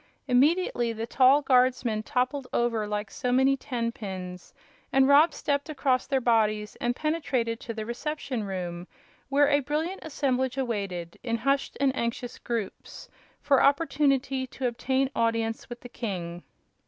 Immediately the tall guardsmen toppled over like so many tenpins, and Rob stepped across their bodies and penetrated to the reception room, where a brilliant assemblage awaited, in hushed and anxious groups, for opportunity to obtain audience with the king.